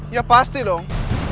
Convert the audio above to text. ya pasti dong